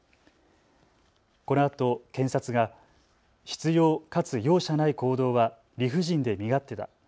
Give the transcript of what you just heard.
このあと検察が執よう、かつ容赦ない行動は理不尽で身勝手だ。